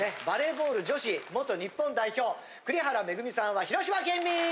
バレーボール女子元日本代表栗原恵さんは広島県民！